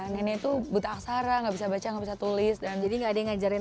nenek itu buta aksara gak bisa baca nggak bisa tulis dan jadi gak ada yang ngajarin